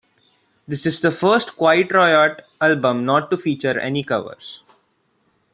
This is the first Quiet Riot album not to feature any covers.